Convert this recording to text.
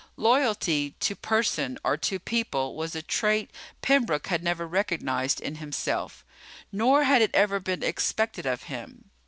Loyalty to person or to people was a trait Pembroke had never recognized in himself, nor had it ever been expected of him.